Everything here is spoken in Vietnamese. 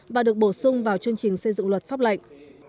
và được bổ sung vào chương trình xây dựng luật pháp lệnh